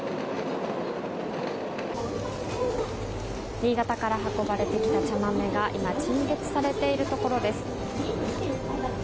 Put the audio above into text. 新潟から運ばれてきた茶豆が今、陳列されているところです。